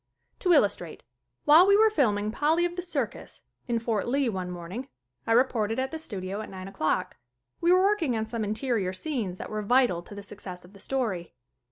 To illustrate : While we were filming "Polly of The Circus" in Fort Lee one morning I re ported at the studio at nine o'clock. We were working on some interior scenes that were vital to the success of the story.